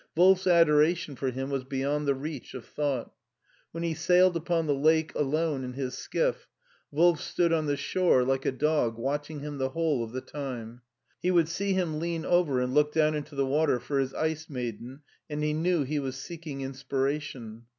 Wolf's adoration for him was beyond the reach of thought. When he sailed upon the lake alone in his skiff. Wolf stood on the shore like a dog watching him the whole of the time. He would see him lean over and look down into the water for his Ice Maiden, and he knew he was seeking inspiration.